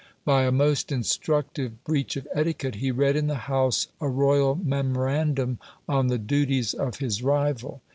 By a most instructive breach of etiquette he read in the House a royal memorandum on the duties of his rival.